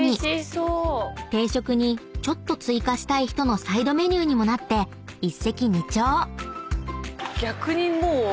［定食にちょっと追加したい人のサイドメニューにもなって一石二鳥］